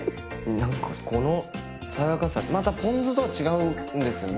何かこの爽やかさまたポン酢とは違うんですよね。